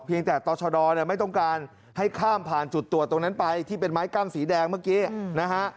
ต่อชะดอเนี่ยไม่ต้องการให้ข้ามผ่านจุดตรวจตรงนั้นไปที่เป็นไม้กั้นสีแดงเมื่อกี้นะฮะ